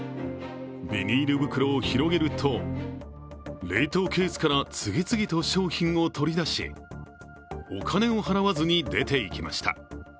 ビニール袋を広げると、冷凍ケースから次々と商品を取り出しお金を払わずに出ていきました。